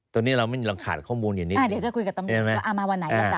ตอนนี้เราเรามีอะไรหลังขาดข้อมูลหยัดนิด